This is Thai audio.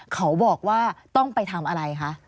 เขาบอกว่าต้องไปทำอะไรคะ